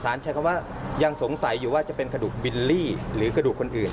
ใช้คำว่ายังสงสัยอยู่ว่าจะเป็นกระดูกบิลลี่หรือกระดูกคนอื่น